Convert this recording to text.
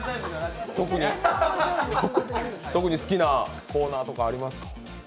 特に好きなコーナーとかありますか？